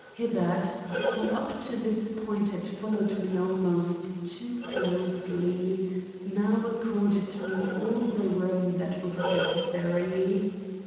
Hibbard, who up to this point had followed me almost too closely, now accorded me all the room that was necessary.